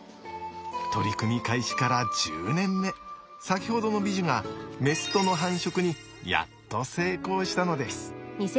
取り組み開始から１０年目先ほどのビジュがメスとの繁殖にやっと成功したのです。